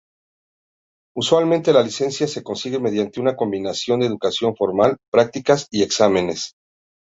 Usualmente, la licencia se consigue mediante una combinación de educación formal, prácticas y exámenes.